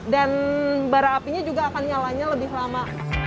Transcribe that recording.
dan barang apinya juga akan nyalanya lebih lama